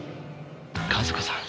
和子さん。